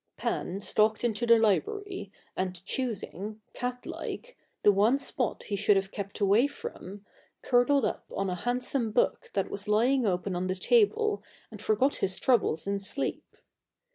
Pan stalked into the library and choosing, cat like, the one spot he should have kept away from, curled up on a handsome book that was lying open on the table and forgot his troubles in sleep.